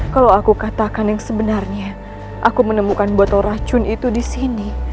kalau aku katakan yang sebenarnya aku menemukan botol racun itu di sini